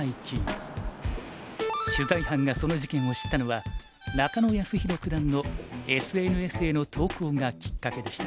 取材班がその事件を知ったのは中野泰宏九段のＳＮＳへの投稿がきっかけでした。